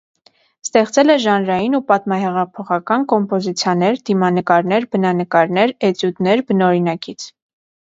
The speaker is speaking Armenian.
Ստեղծել է ժանրային ու պատմահեղափոխական կոմպոզիցիաներ, դիմանկարներ, բնանկարներ, էտյուդներ բնօրինակից։